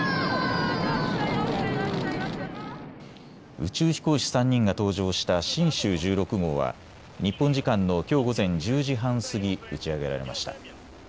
宇宙飛行士３人が搭乗した神舟１６号は日本時間のきょう午前１０時半過ぎ、打ち上げられました。